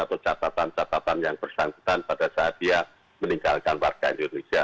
atau catatan catatan yang bersangkutan pada saat dia meninggalkan warga indonesia